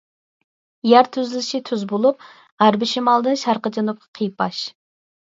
يەر تۈزۈلۈشى تۈز بولۇپ، غەربىي شىمالدىن شەرقىي جەنۇبقا قىيپاش.